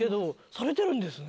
されてるんですね。